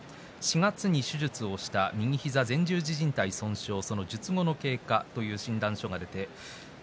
４月に手術をした右膝前十字じん帯損傷その術後の経過という診断書が出ています。